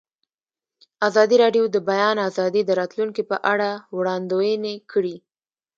ازادي راډیو د د بیان آزادي د راتلونکې په اړه وړاندوینې کړې.